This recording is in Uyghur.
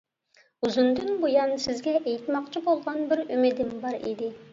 ئۇزۇندىن بۇيان سىزگە ئېيتماقچى بولغان بىر ئۈمىدىم بار ئىدى.